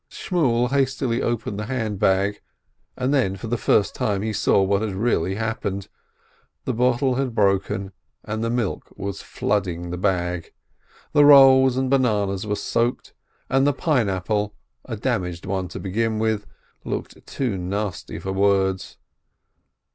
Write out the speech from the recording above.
Shmuel hastily opened the hand bag, and then for the first time he saw what had really happened: the bottle had broken, and the milk was flooding the bag; the rolls and bananas were soaked, and the pineapple (a damaged one to begin with) looked too nasty for words.